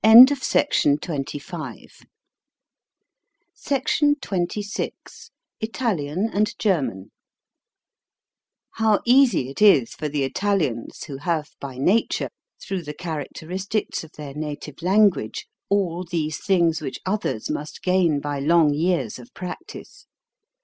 SECTION XXVI ITALIAN AND GERMAN How easy it is for the Italians, who have by nature, through the characteristics of their native language, all these things which others must gain by long years of practice